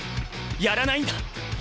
やらないんだ！